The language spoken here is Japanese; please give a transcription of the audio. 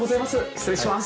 失礼します。